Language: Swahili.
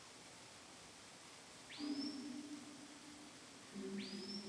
ongeza kijiko cha chakula kimoja cha unga wa ngano